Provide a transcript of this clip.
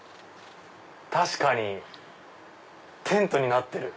確かにテントになってる！